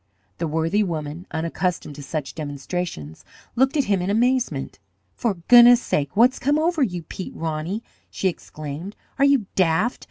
The worthy woman, unaccustomed to such demonstrations, looked at him in amazement. "For goodness sake, what's come over you, Peter Roney?" she exclaimed. "Are you daft?